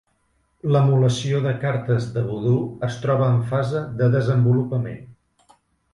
L'emulació de cartes de vudú es troba en fase de desenvolupament.